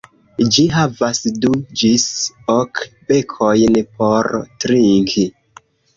Ĝi havas du ĝis ok bekojn por trinki.